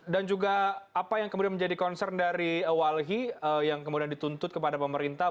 dan juga apa yang kemudian menjadi concern dari walhi yang kemudian dituntut kepada pemerintah